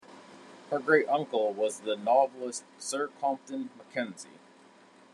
Her great-uncle was the novelist Sir Compton Mackenzie.